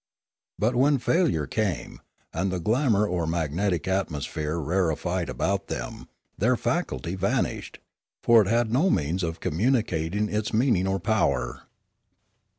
But when failure came, and the glamour or magnetic atmosphere rarefied about them, their faculty vanished; for it had no means of communicating its meaning or power.